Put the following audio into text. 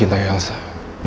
benar yang boleh